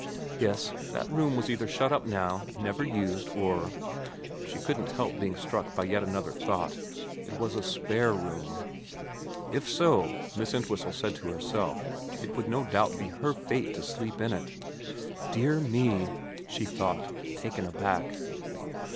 Yes ; that room was either shut up now and never used, or she couldn't help being struck by yet another thought it was a spare room. If so, Miss Entwhistle said to herself, it would no doubt be her fate to sleep in it. Dear me, she thought, taken aback.